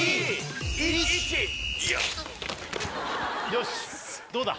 よしどうだ？